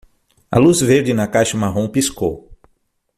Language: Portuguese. A luz verde na caixa marrom piscou.